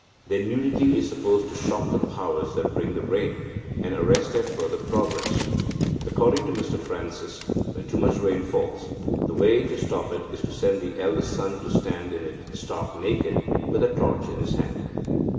Their nudity is supposed to shock the powers that bring the rain, and arrest their further progress. According to Mr Francis, when too much rain falls, the way to stop it is to send the eldest son to stand in it stark naked, with a torch in his hand.